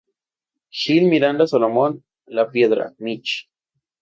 Gil Miranda Salomón La Piedad, Mich.